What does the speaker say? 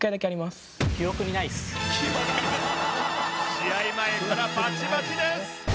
試合前からバチバチです。